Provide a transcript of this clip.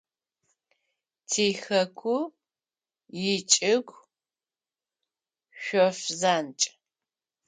Тихэку ичӏыгу – шъоф занкӏ.